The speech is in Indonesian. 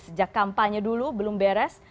sejak kampanye dulu belum beres